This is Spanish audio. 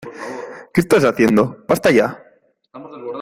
¿ Qué estás haciendo? ¡ basta ya!